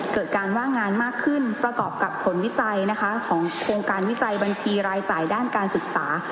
เกิดการว่างงานมากขึ้นประกอบกับผลวิจัยนะคะของโครงการวิจัยบัญชีรายจ่ายด้านการศึกษา